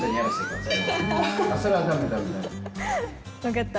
分かった。